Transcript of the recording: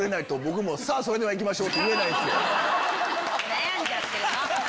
悩んじゃってるの！